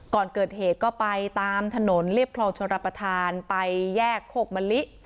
ก่อนเกิดเหตุก็ไปตามถนนเรียบคลองชลประธานไปแยกโคกมะลิ